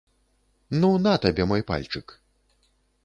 Ну, на табе мой пальчык.